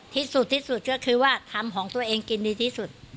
ทิศสุดก็คือว่าทำของตัวเองกินดีที่สุด